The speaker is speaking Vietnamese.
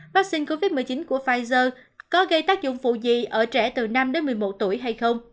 vaccine covid một mươi chín của pfizer có gây tác dụng phụ gì ở trẻ từ năm đến một mươi một tuổi hay không